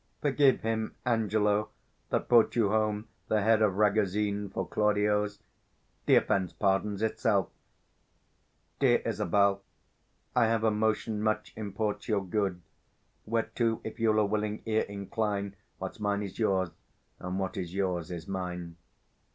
Forgive him, Angelo, that brought you home 530 The head of Ragozine for Claudio's: The offence pardons itself. Dear Isabel, I have a motion much imports your good; Whereto if you'll a willing ear incline, What's mine is yours, and what is yours is mine.